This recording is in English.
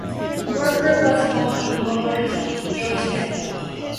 Walker was born in Roberta, Georgia.